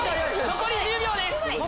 残り１０秒です。